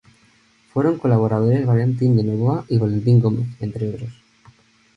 Fueron colaboradores Valentín de Novoa y Valentín Gómez, entre otros.